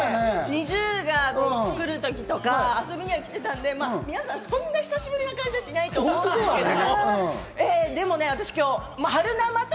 ＮｉｚｉＵが来る時とか、遊びには来てたので、そんなに久しぶりな感じはしないと思うんですけど。